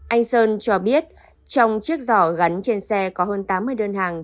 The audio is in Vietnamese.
anh sơn cho biết trong chiếc giỏ gắn trên xe có hơn tám mươi đơn hàng